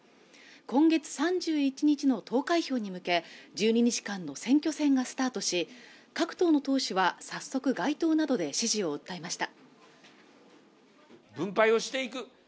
今月３１日の投開票に向け１２日間の選挙戦がスタートし各党の党首は早速街頭などで支持を訴えました